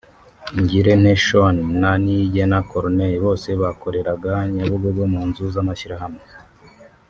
Ngirente Schon na Niyigena Corneille bose bakoreraga Nyabugogo mu nzu z’amashyirahamwe